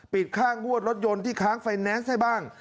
ค่างวดรถยนต์ที่ค้างไฟแนนซ์ให้บ้าง